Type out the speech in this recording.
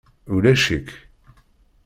Ulac-ik.